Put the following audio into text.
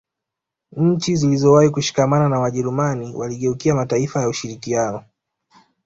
Nchi zilizowahi kushikamana na Wajerumani waligeukia mataifa ya ushirikiano